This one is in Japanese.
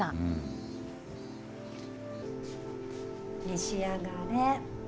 召し上がれ。